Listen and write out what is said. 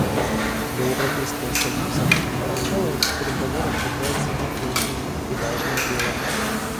Для Европейского союза начало этих переговоров является неотложным и важным делом.